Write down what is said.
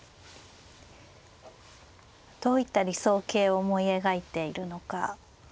どういった理想型を思い描いているのか。